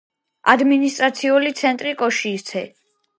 ადმინისტრაციული ცენტრი კოშიცე.